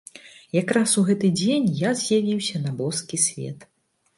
Якраз у гэты дзень я з'явіўся на боскі свет.